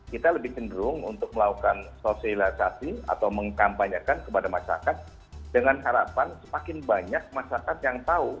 kita lebih cenderung untuk melakukan sosialisasi atau mengkampanyekan kepada masyarakat dengan harapan semakin banyak masyarakat yang tahu